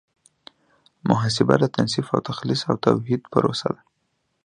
محاسبه د تنصیف او تخلیص او توحید پروسه ده.